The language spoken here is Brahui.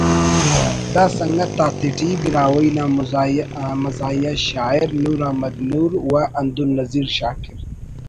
دا سنگت آتیٹی براہوئی نا مزاحیہ شاعر نور احمد نور و ہندن نزیر شاکر